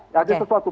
ya ada sesuatu